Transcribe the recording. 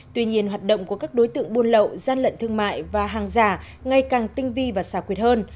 tuy nhiên hoạt động của các đối tượng buôn lậu gian lận thương mại và hàng giả ngày càng tinh vi và xảo quyệt hơn